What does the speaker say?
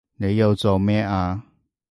你又做咩啊